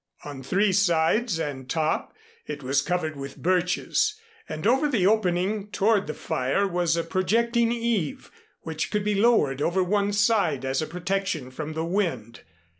On three sides and top it was covered with birches, and over the opening toward the fire was a projecting eave which could be lowered over one side as a protection from the wind.